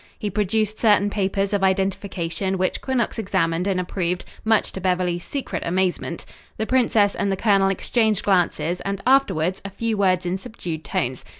He produced certain papers of identification which Quinnox examined and approved, much to Beverly's secret amazement. The princess and the colonel exchanged glances and afterwards a few words in subdued tones.